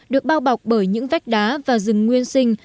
được bao bọc bởi những vách đá và rừng nguyên sinh